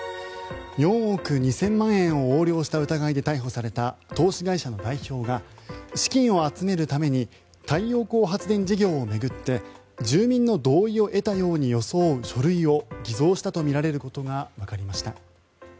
４億２０００万円を横領した疑いで逮捕された投資会社の代表が資金を集めるために太陽光発電事業を巡って住民の同意を得たように装う書類を偽造したとみられることがわかりました。